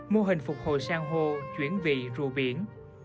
mô hình phục hồi sang hô chuyển vị rùa biển